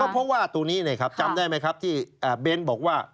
เพราะว่าตรงนี้จำได้ไหมครับที่เบ้นบอกว่า